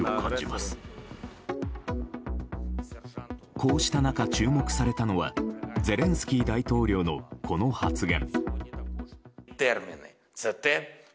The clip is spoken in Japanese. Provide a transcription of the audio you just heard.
こうした中、注目されたのはゼレンスキー大統領のこの発言。